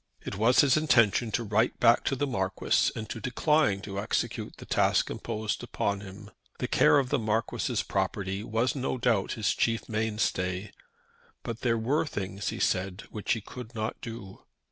It was his intention to write back to the Marquis and to decline to execute the task imposed upon him. The care of the Marquis's property was no doubt his chief mainstay; but there were things, he said, which he could not do.